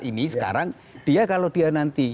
ini sekarang dia kalau dia nanti